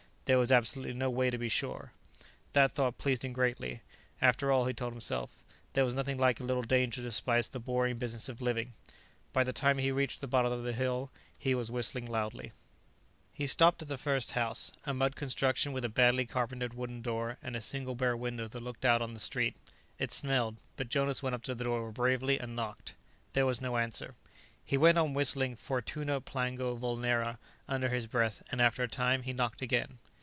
There was absolutely no way to be sure. That thought pleased him greatly; after all, he told himself, there was nothing like a little danger to spice the boring business of living. By the time he reached the bottom of the hill, he was whistling loudly. He stopped at the first house, a mud construction with a badly carpentered wooden door and a single bare window that looked out on the street. It smelled, but Jonas went up to the door bravely and knocked. There was no answer. He went on whistling "Fortuna plango vulnera" under his breath, and after a time he knocked again.